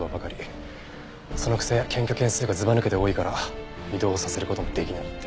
そのくせ検挙件数がずばぬけて多いから異動させる事もできないって。